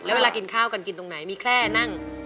แล้วเวลากินข้าวกันกินตรงไหนมีแคล่นั่ง